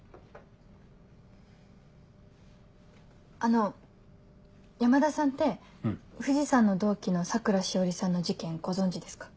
あの山田さんって藤さんの同期の桜しおりさんの事件ご存じですか？